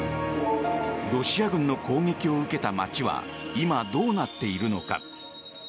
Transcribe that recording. ロシア軍の攻撃を受けた街は今どうなっているのか？